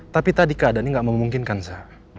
tapi tadi keadaannya ga memungkinkan sa